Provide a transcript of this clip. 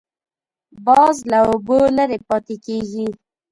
باز له اوبو لرې پاتې کېږي